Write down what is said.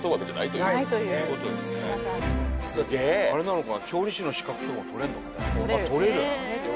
あれなのかな。